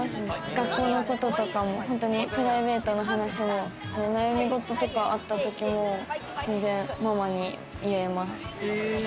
学校のこととかもプライベートの話も、悩み事とかあったときも、全然、ママに言えます。